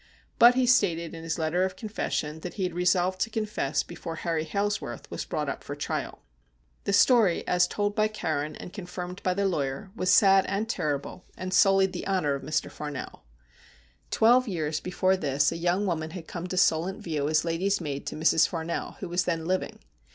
But he stated in his letter of confession that he had resolved to confess before Harry Hailsworth was brought up for trial. The story, as told by Carron and confirmed by the lawyer, was sad and terrible, and sullied the honour of Mr. Farnell. THE BELL OF DOOM 269 Twelve years before this a young woman had come to Solent View as lady's maid to Mrs. Farnell, who was then living.